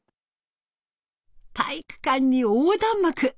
体育館に横断幕。